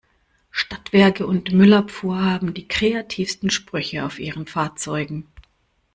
Stadtwerke und Müllabfuhr haben die kreativsten Sprüche auf ihren Fahrzeugen.